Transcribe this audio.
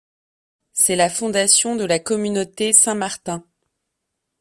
C'est la fondation de la communauté Saint-Martin.